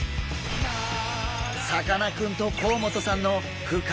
さかなクンと甲本さんの深い対談。